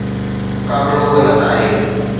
مقابلو غلط آهي.